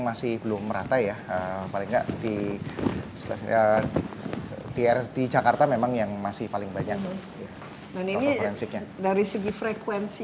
masih belum merata ya paling nggak di tr di jakarta memang yang masih paling banyak tuh forensiknya dari segi frekuensi